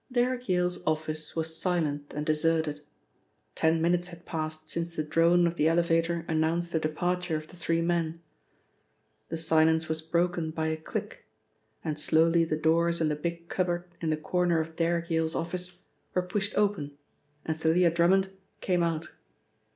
Derrick Yale's office was silent and deserted. Ten minutes had passed since the drone of the elevator announced the departure of the three men. The silence was broken by a click, and slowly the doors in the big cupboard in the corner of Derrick Yale's office were pushed open and Thalia Drummond came out.